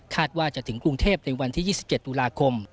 ว่าจะถึงกรุงเทพในวันที่๒๗ตุลาคม